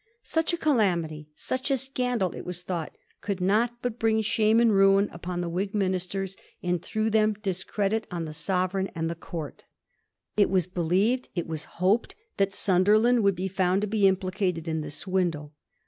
Such a calamity, such a scandal, it was thought, could not but bring shame and ruin upon the Whig ministers, and through them discredit on the Sovereign and the €ourt. It was believed, it was hoped, that Sunder land would be found to be implicated in the swindle.